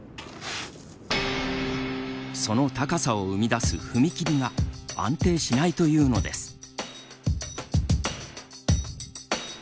その高さを生み出す踏み切りが安定しないというのです。